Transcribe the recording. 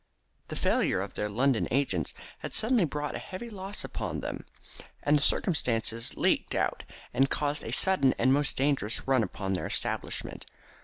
The failure of their London agents had suddenly brought a heavy loss upon them, and the circumstance leaking out had caused a sudden and most dangerous run upon their establishment.